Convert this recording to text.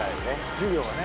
授業がね